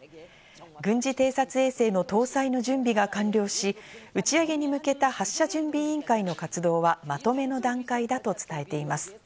軍事偵察衛星の搭載の準備が完了し、打ち上げに向けた発射準備委員会の活動は、まとめの段階だと伝えています。